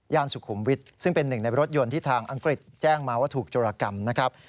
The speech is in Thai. สุขุมวิทย์ซึ่งเป็นหนึ่งในรถยนต์ที่ทางอังกฤษแจ้งมาว่าถูกโจรกรรมนะครับ